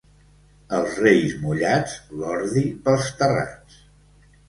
Els Reis mullats, l'ordi pels terrats.